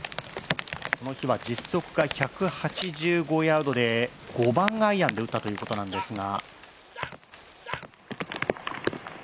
この日は、実測が１８５ヤードで５番アイアンで打ったということなんですが。